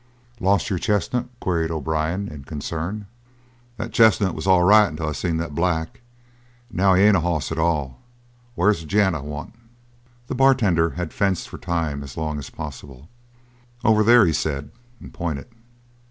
"Lost your chestnut?" queried O'Brien in concern. "The chestnut was all right until I seen the black. And now he ain't a hoss at all. Where's the gent I want?" The bartender had fenced for time as long as possible. "Over there," he said, and pointed.